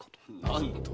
なんと？